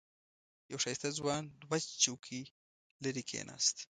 یو ښایسته ځوان دوه چوکۍ لرې کېناست.